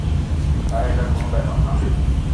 আরে, এটা কোন ব্যাপার না।